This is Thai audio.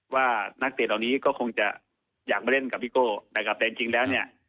ว่านักเตะเหล่านี้ก็คงจะอยากมาเล่นกับพี่โก้นะครับแต่จริงแล้วเนี่ย